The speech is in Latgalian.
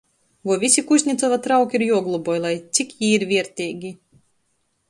Voi vysi Kuznecova trauki ir juogloboj, lai cik jī ir vierteigi?